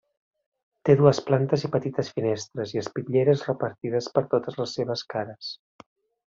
Té dues plantes i petites finestres i espitlleres repartides per totes les seves cares.